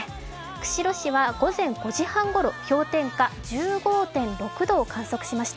釧路市は午前５時半ごろ、氷点下１５．６度を観測しました。